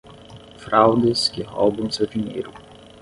Fraudes que roubam seu dinheiro